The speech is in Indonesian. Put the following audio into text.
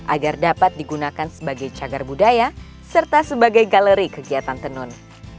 agar dapat digunakan sebagai cagar budaya serta sebagai galeri kegiatan tenun